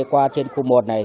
qua trên khu một này